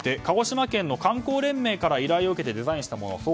鹿児島県の観光連盟から依頼を受けてデザインしたもの。